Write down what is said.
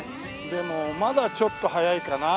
でもまだちょっと早いかな。